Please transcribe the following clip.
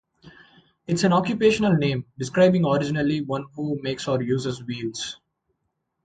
It is an occupational name, describing originally one who makes or uses wheels.